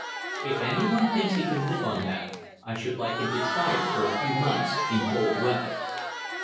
If any one thinks he can live on that, I should like him to try for a few months in cold weather.